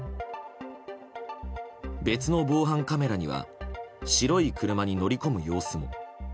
別の防犯カメラには白い車に乗り込む様子も。